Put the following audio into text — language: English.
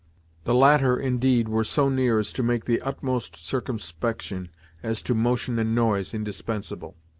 The latter, indeed, were so near as to make the utmost circumspection, as to motion and noise, indispensable.